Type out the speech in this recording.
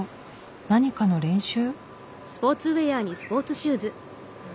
何かの練習？